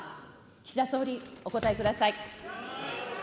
岸田総理、お答えください。